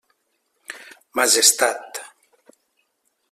Majestat.